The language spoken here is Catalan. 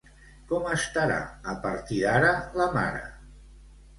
Com estarà a partir d'ara la mare?